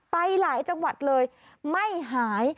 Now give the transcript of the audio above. ไปหลายจังหวัดเลยไม่หาย